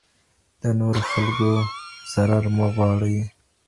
د نورو خلګو ضرر مه غواړئ.